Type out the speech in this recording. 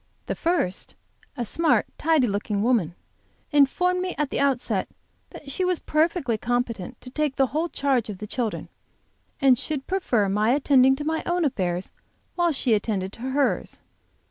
The first, a smart, tidy looking woman, informed me at the outset that she was perfectly competent to take the whole charge of the children, and should prefer my attending to my own affairs while she attended to hers.